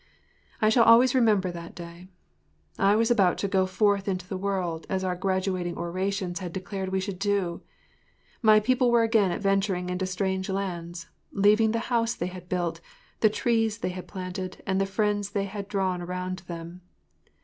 I shall always remember that day. I was about to “go forth into the world,” as our graduating orations had declared we should do. My people were again adventuring into strange lands—leaving the house they had built, the trees they had planted and the friends they had drawn around them.